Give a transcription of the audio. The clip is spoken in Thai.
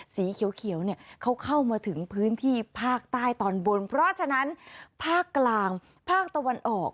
สีเขียวเนี่ยเขาเข้ามาถึงพื้นที่ภาคใต้ตอนบนเพราะฉะนั้นภาคกลางภาคตะวันออก